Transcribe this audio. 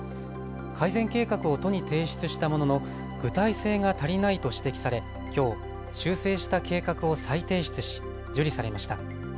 改善計画を都に提出したものの具体性が足りないと指摘されきょう修正した計画を再提出し受理されました。